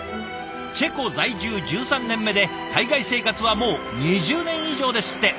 チェコ在住１３年目で海外生活はもう２０年以上ですって。